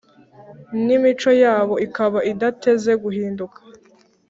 n’imico yabo ikaba idateze guhinduka,